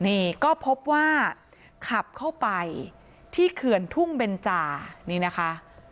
นี่ก็พบว่าขับเข้าไปที่เขื่อนทุ่งเบนจานี่นะคะ